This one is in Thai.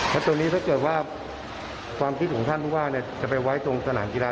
แล้วตัวนี้ถ้าเกิดว่าความคิดของท่านผู้ว่าจะไปไว้ตรงสนามกีฬา